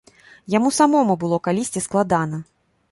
Яму самому было калісьці складана.